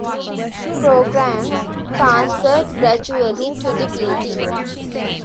Programmes transferred gradually to the building.